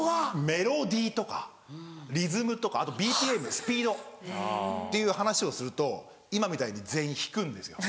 メロディーとかリズムとかあとＢＰＭスピード。っていう話をすると今みたいに全員引くんですよ。